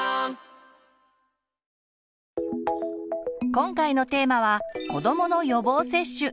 今回のテーマは「子どもの予防接種」。